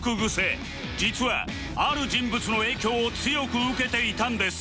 実はある人物の影響を強く受けていたんです